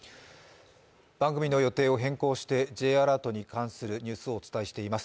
番組の予定を変更してＪアラートに関するニュースをお伝えしています。